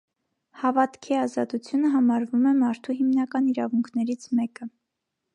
Հավատքի ազատությունը համարվում է մարդու հիմնական իրավունքներից մեկը։